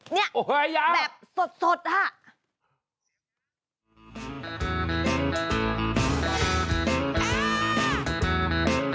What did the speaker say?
เนี่ยแบบสดฮะโอ้เฮ้ยอย่า